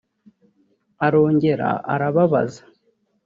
Arongera arababaza